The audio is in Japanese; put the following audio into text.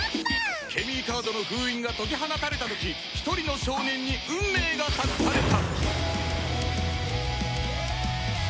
ケミーカードの封印が解き放たれた時一人の少年に運命が託された